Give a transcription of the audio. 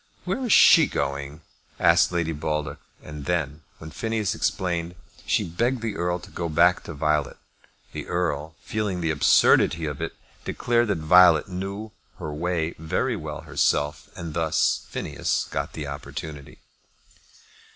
"Where is she going?" asked Lady Baldock; and then, when Phineas explained, she begged the Earl to go back to Violet. The Earl, feeling the absurdity of this, declared that Violet knew her way very well herself, and thus Phineas got his opportunity.